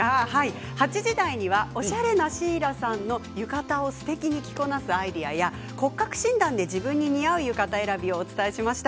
８時台にはおしゃれなシーラさんの浴衣をすてきに着こなすアイデアや骨格診断で自分に似合う浴衣選びをお伝えしました。